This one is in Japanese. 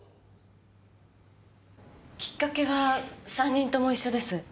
きっかけは３人とも一緒です。